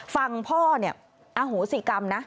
ฟังพ่อเนี่ยอโหสิกรรมนะ